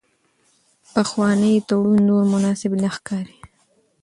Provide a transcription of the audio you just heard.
پخوانی تړون نور مناسب نه ښکاري.